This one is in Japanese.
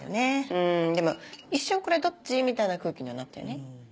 うんでも一瞬「これどっち？」みたいな空気にはなったよね。